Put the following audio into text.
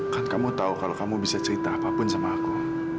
kan kamu tahu kalau kamu bisa cerita apapun sama aku